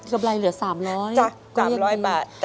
กำไรเหลือ๓๐๐๓๐๐บาท